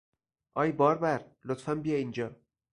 آی بار بر! لطفا بیا اینجا!